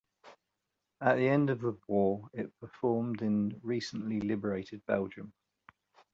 At the end of the war it performed in recently liberated Belgium.